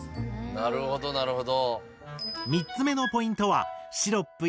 なるほどなるほど。